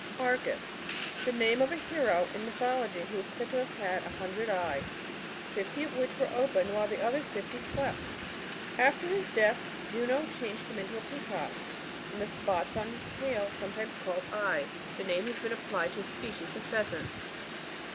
Argus. — The name of a hero in my thology, who was said to have had a hundred eyes, fif\y of which were open while the other fifty slept; afterhis death, Juno changed him into a peacock. From the ■pots in its tail, sometimes called eyes, this name has been applied to a soecif s of Pheanant.